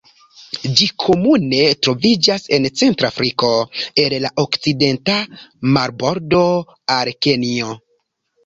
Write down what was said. Ĝi komune troviĝas en Centra Afriko el la okcidenta marbordo al Kenjo.